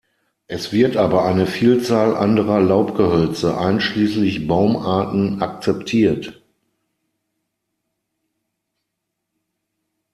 Es wird aber eine Vielzahl anderer Laubgehölze, einschließlich Baumarten, akzeptiert.